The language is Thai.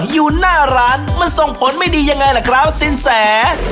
อยู่หน้าร้านมันส่งผลไม่ดียังไงล่ะครับสินแส